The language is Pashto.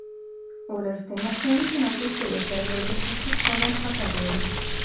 ولس د مصنوعي تنفس د وسایلو د قاچاق په اړه خفه دی.